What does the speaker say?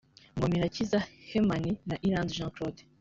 Ngomirakiza Hegman na Iranzi Jean Claude